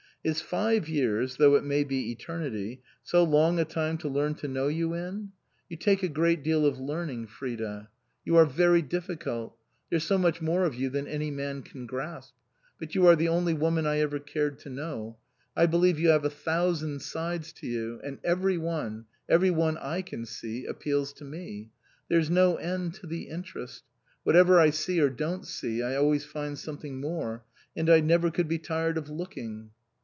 Is five years, though it may be eternity, so long a time to learn to know you in ? You take a great deal of learning, Frida ; 178 OUTWARD BOUND you are very difficult. There's so much more of you than any man can grasp. But you are the only woman I ever cared to know. I believe you have a thousand sides to you, and every one every one I can see appeals to me. There's no end to the interest. Whatever I see or don't see, I always find something more, and I never could be tired of looking."